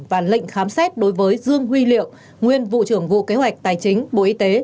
và lệnh khám xét đối với dương huy liệu nguyên vụ trưởng vụ kế hoạch tài chính bộ y tế